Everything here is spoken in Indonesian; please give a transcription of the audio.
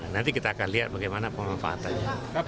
nanti kita akan lihat bagaimana pemanfaatannya